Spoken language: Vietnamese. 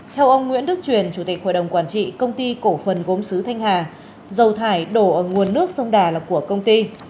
theo ông nguyễn đức truyền chủ tịch hội đồng quản trị công ty cổ phần gốm sứ thanh hà dầu thải đổ ở nguồn nước sông đà là của công ty